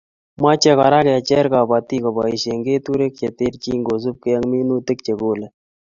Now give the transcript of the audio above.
Mochei Kora kecher kobotik koboise keturek che terchin kosubkei ak minutik che kolei